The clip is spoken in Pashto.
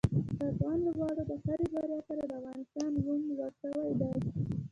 د افغان لوبغاړو د هرې بریا سره د افغانستان نوم لوړ شوی دی.